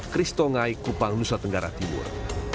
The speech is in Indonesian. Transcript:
kristongai kupang nusa tenggara timur